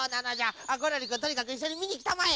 ゴロリくんとにかくいっしょにみにきたまえ。